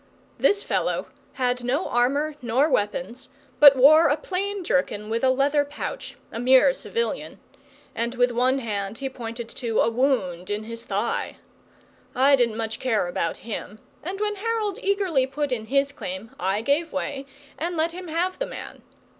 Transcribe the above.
This fellow had no armour nor weapons, but wore a plain jerkin with a leather pouch a mere civilian and with one hand he pointed to a wound in his thigh. I didn't care about him, and when Harold eagerly put in his claim I gave way and let him have the man.